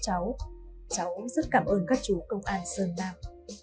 cháu rất cảm ơn các chú công an sơn nam